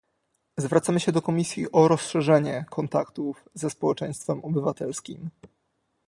Zwracamy się do Komisji o rozszerzenie kontaktów ze społeczeństwem obywatelskim